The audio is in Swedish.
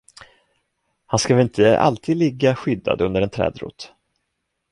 Han ska väl inte alltid ligga skyddad under en trädrot.